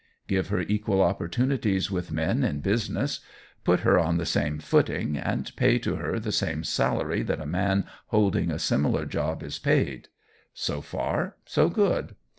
Give her equal opportunities with men in business put her on the same footing and pay to her the same salary that a man holding a similar job is paid. So far so good.